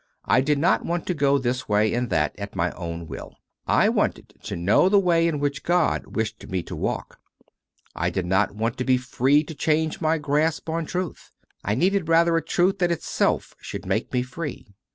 I did not want to go this way and that at my own will: I wanted to know the way hi which God wished me to walk. I did not want to be free to change my grasp on truth: I needed rather a truth that itself should make me free.